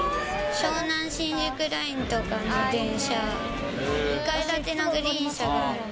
湘南新宿ラインとかの電車、２階建てのグリーン車がある。